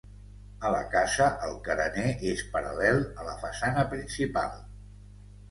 A la casa el carener és paral·lel a la façana principal.